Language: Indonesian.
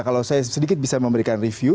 kalau saya sedikit bisa memberikan review